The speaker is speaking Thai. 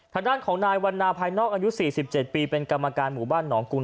ทางด้านของนายหวันลาภายนอกอนยุดสี่สิบเจ็ดปีเป็นกรรมการหมู่บ้านหนองกรุงน้อย